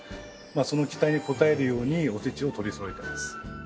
その期待に応えるようにおせちを取り揃えてます